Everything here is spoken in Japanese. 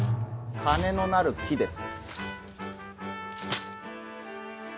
金のなる木です。